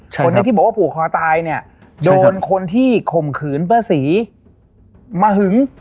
คนนี้ที่บอกว่าผูกคอตายเนี่ยโดนคนที่ข่มขืนป้าศรีมาหึง